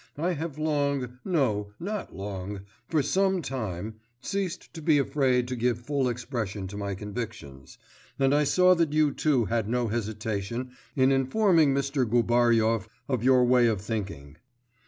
I have long no, not long for some time ceased to be afraid to give full expression to my convictions and I saw that you too had no hesitation in informing Mr. Gubaryov of your own way of thinking.